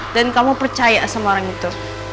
dan kamu percaya sama orang itu